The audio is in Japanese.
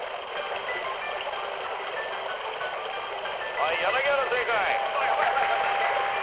はい柳原正解。